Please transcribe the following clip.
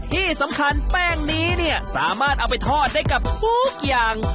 ที่สำคัญแป้งนี้เนี่ยสามารถเอาไปทอดได้กับทุกอย่าง